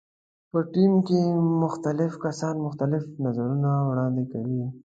په ټیم کې مختلف کسان مختلف نظرونه وړاندې کوي.